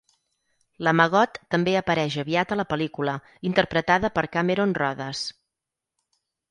La Maggot també apareix aviat a la pel·lícula, interpretada per Cameron Rhodes.